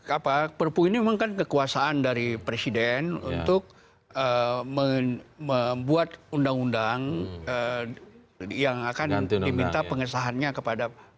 apa perpu ini memang kan kekuasaan dari presiden untuk membuat undang undang yang akan diminta pengesahannya kepada